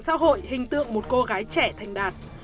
xã hội hình tượng một cô gái trẻ thành đạt